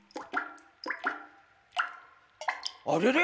あれれ？